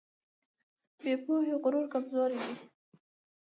بې پوهې غرور کمزوري ده.